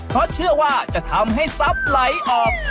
เพราะเชื่อว่าจะทำให้ทรัพย์ไหลออก